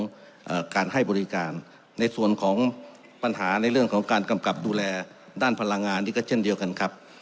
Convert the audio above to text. เอ่อการให้บริการในส่วนของปัญหาในเรื่องของการกำกับดูแลด้านพลังงานนี่ก็เช่นเดียวกันครับ